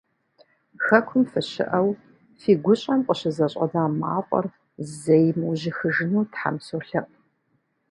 Хэкум фыщыӏэу, фи гущӏэм къыщызэщӏэна мафӏэр зэи мыужьыхыжыну Тхьэм солъэӏу!